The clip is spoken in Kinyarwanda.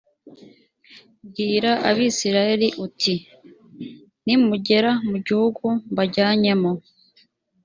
bwira abisirayeli uti “nimugera mu gihugu mbajyanyemo”